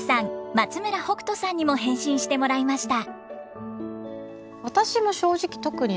松村北斗さんにも返信してもらいました